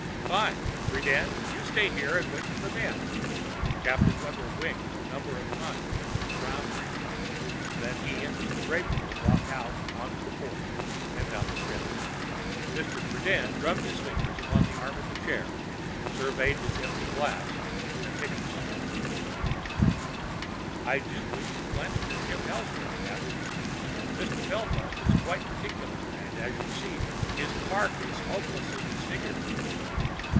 "Fine. Friden, you stay here and wait for the men." Captain Webber winked a number of times and frowned briefly, then he and Mr. Greypoole walked out onto the porch and down the steps. Mr. Friden drummed his fingers upon the arm of a chair, surveyed his empty glass and hiccoughed softly. "I do wish you'd landed your ship elsewhere, Captain. Mr. Bellefont was quite particular and, as you can see, his park is hopelessly disfigured."